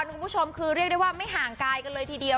คุณผู้ชมคือเรียกได้ว่าไม่ห่างกายกันเลยทีเดียว